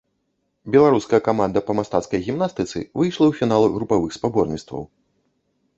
Беларуская каманда па мастацкай гімнастыцы выйшла ў фінал групавых спаборніцтваў.